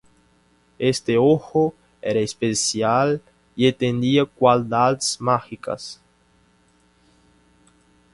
Este ojo era especial y tenía cualidades mágicas.